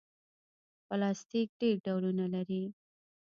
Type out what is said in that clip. پلاستيک ډېر ډولونه لري.